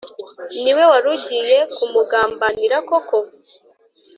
niwe wari ugiye kumugambanira koko